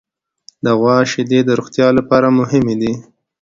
د غوا شیدې د روغتیا لپاره مهمې دي.